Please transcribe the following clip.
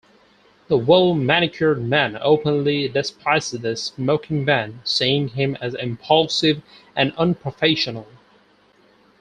The Well-Manicured Man openly despises The Smoking Man, seeing him as impulsive and unprofessional.